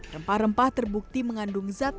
rempah rempah terbukti mengandung zat